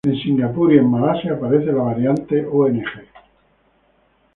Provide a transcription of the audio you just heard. En Singapur y en Malasia aparece la variante "Ong".